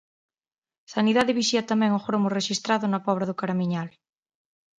Sanidade vixía tamén o gromo rexistrado na Pobra do Caramiñal.